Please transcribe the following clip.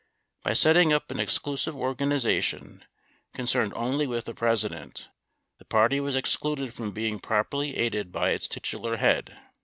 By setting up an exclusive organization, concerned only with the President, the party was excluded from being properly aided by its titular head.